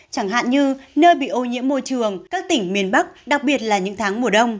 chẳng hạn như nơi bị ô nhiễm môi trường các tỉnh miền bắc đặc biệt là những tháng mùa đông